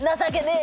え！